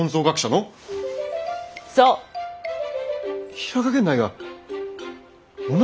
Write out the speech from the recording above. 平賀源内が女！？